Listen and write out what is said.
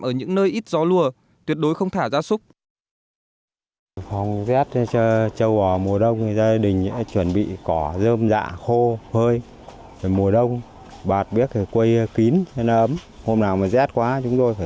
ở những nơi ít gió lùa tuyệt đối không thả ra súc